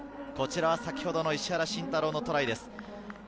こちらは先ほどの石原慎太郎のトライです。